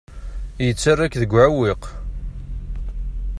Yettarra-k deg uɛewwiq.